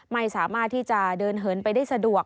ไม่สามารถที่จะเดินเหินไปได้สะดวก